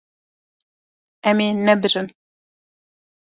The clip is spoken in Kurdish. Em ê nebirin.